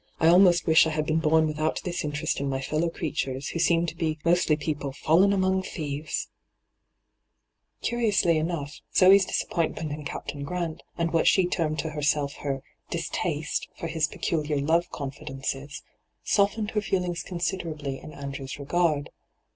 I almost wish I had been bom without this interest in my fellow creatures, who seem to be mostly people " fallen amoi^ thieves !"' Curiously enough, Zoe's disappointment in Captain Grant, and what she termed to heraelf her ' distaste ' for his peculiar love confidences, hyGoogIc 214 ENTRAPPED softened her feelings considerably in Andrew's regard.